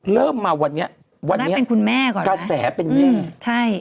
เริ่มมาวันนี้กาแสเป็นแม่